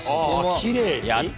きれいに？